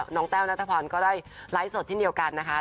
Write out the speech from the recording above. น้องแต้วณตะพรก็ได้ไลก์สดที่เดียวกันนะคะ